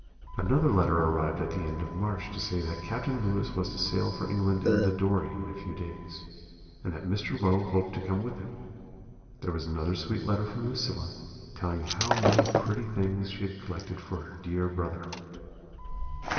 "Another letter arrived at the end of March to say that Captain Lewis was to sail for England in the Dory in a few days, and that Mr. Low hoped to come with him. There was another sweet letter from Lucilla, telling how many pretty things she had collected for her dear brother.